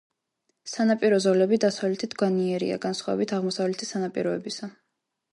სანაპირო ზოლები დასავლეთით განიერია განსხვავებით აღმოსავლეთის სანაპიროებისა.